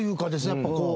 やっぱこう。